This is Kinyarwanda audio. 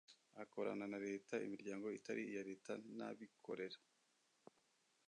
akorana na leta imiryango itari iya leta n’abikorera